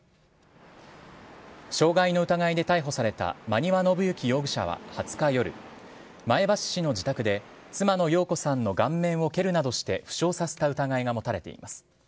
傷害の疑いで逮捕された摩庭信行容疑者は２０日夜、前橋市の自宅で、妻の陽子さんの顔面を蹴るなどして負傷させた疑いが持たれています。